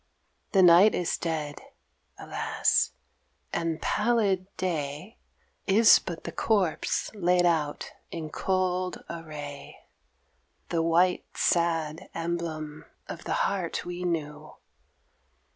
The Night is dead Alas and pallid Day is but the corpse laid out in cold array, The white sad emblem of the heart we knew.